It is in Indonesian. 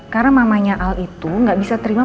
karena mamanya al itu nggak bisa terima